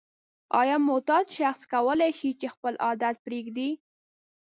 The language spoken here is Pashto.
آیا معتاد شخص کولای شي چې خپل عادت پریږدي؟